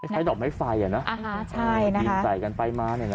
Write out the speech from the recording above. ไฟด่อไฟฟ้ายังนะดินใส่กันไปมา